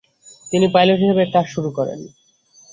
তিনি পাইলট হিসেবে কাজ শুরু করেন।